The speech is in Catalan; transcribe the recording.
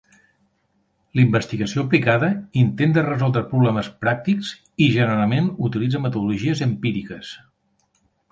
L"investigació aplicada intenta resoldre problemes pràctics i generalment utilitza metodologies empíriques.